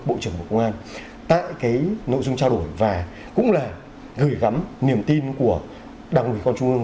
bộ trưởng bộ công an tại cái nội dung trao đổi và cũng là gửi gắm niềm tin của đảng ủy công trung ương